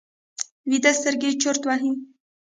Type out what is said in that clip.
ویده سترګې چورت وهي